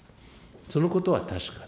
そのことは確かだ。